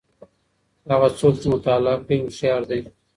هغه څوک چي مطالعه کوي هوښیار دی.